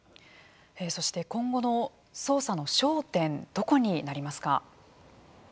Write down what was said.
そして、今後の捜査の焦点どこになりますか。